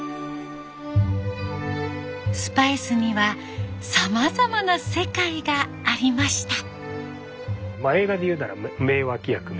スパイスにはさまざまな世界がありました。